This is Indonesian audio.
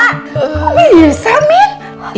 kok bisa mimi